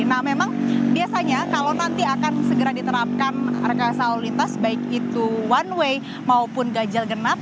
nah memang biasanya kalau nanti akan segera diterapkan rekayasa lalu lintas baik itu one way maupun ganjil genap